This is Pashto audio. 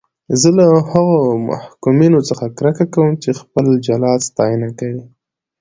زه له هغو محکومینو څخه کرکه کوم چې خپل جلاد ستاینه کوي.